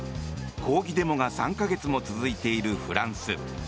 抗議デモが３か月も続いているフランス。